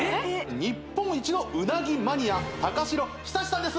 日本一のうなぎマニア高城久さんです